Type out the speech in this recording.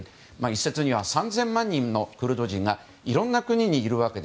一説には３０００万人のクルド人がいろんな国にいると。